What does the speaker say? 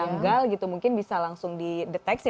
janggal gitu mungkin bisa langsung di deteksi